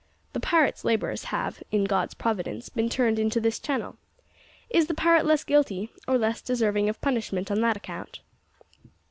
The pirate's labours have, in God's providence, been turned into this channel. Is the pirate less guilty, or less deserving of punishment on that account?"